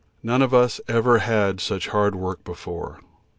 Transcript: None of us ever had such hard work before.